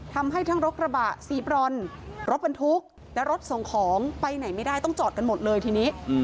ทำให้ทั้งรถกระบะสีบรอนรถบรรทุกและรถส่งของไปไหนไม่ได้ต้องจอดกันหมดเลยทีนี้